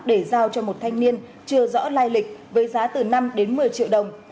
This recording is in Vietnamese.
để giao cho một thanh niên chưa rõ lai lịch với giá từ năm đến một mươi triệu đồng